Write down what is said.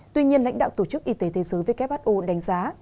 tuy nhiên lãnh đạo tổ chức y tế thế giới who đánh giá